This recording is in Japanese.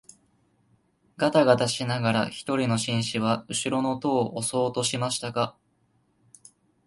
がたがたしながら一人の紳士は後ろの戸を押そうとしましたが、